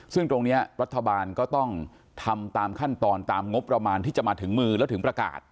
ซึ่งตรงนี้รัฐบาลก็ต้องทำตามขั้นตอนตามงบประมาณที่จะมาถึงมือแล้วถึงประกาศ